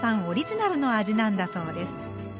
オリジナルの味なんだそうです。